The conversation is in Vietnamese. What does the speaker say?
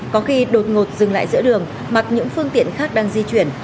có khi đột ngột dừng lại giữa đường mặc những phương tiện khác đang di chuyển